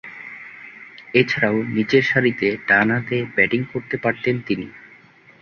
এছাড়াও, নিচেরসারিতে ডানহাতে ব্যাটিং করতে পারতেন তিনি।